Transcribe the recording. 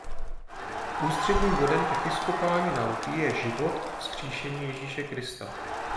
Ústředním bodem episkopální nauky je život a vzkříšení Ježíše Krista.